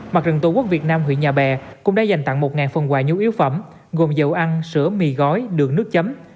mặt trận tổ quốc việt nam huyện nhà bè cũng đã dành tặng một phần quà nhu yếu phẩm gồm dầu ăn sữa mì gói đường nước chấm